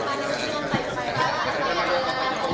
pak ada yang berlaku